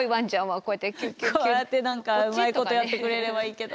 こうやって何かうまいことやってくれればいいけど。